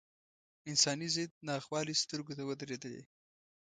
انساني ضد ناخوالې سترګو ته ودرېدلې.